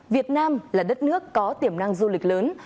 việt nam là đất nước có tiềm năng du lịch lớn